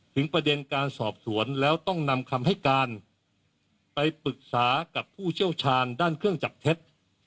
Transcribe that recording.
ประเด็นการสอบสวนแล้วต้องนำคำให้การไปปรึกษากับผู้เชี่ยวชาญด้านเครื่องจับเท็จ